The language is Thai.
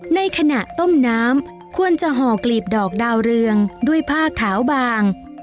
ในขณะต้มน้ำควรจะห่อกลีบดอกดาวเรืองด้วยผ้าขาวบาง